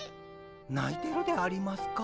ないてるでありますか？